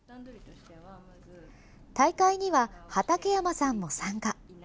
大会には、畠山さんも参加。